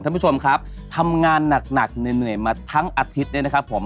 ท่านผู้ชมครับทำงานหนักหนักเหนื่อยมาทั้งอาทิตย์เนี่ยนะครับผม